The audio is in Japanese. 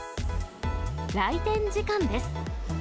来店時間です。